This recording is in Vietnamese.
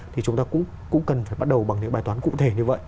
thì chúng ta cũng cần phải bắt đầu bằng những bài toán cụ thể như vậy